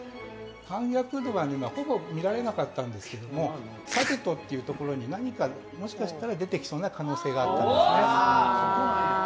反逆度はほぼみられなかったんですけれども、「さてと」というところに、もしかしたら何か出てきそうな感じがしたんですね。